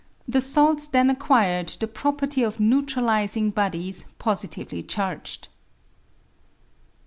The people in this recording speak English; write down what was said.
The sahs then acquired the property of neutrahsing bodies positively charged.